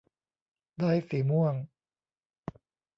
ได้สีม่วง